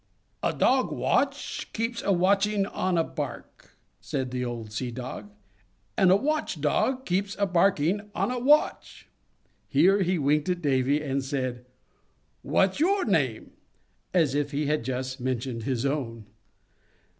"A dog watch keeps a watching on a bark," said the old Sea Dog; "and a watch dog keeps a barking on a watch." Here he winked at Davy, and said, "What's your name?" as if he had just mentioned his own.